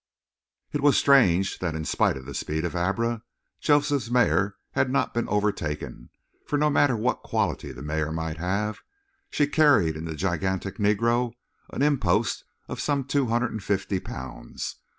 It was strange that in spite of the speed of Abra, Joseph's mare had not been overtaken; for no matter what quality the mare might have, she carried in the gigantic Negro an impost of some two hundred and fifty pounds.